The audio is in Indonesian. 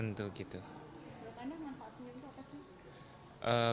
manfaat senyum itu apa sih